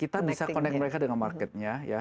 kita bisa connect mereka dengan marketnya ya